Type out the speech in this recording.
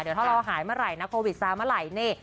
เดี๋ยวถ้าเราหายเมื่อไหร่นะโควิดซ้าเมื่อไหร่นี่